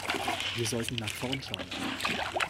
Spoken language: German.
Wir sollten nach vorn schauen.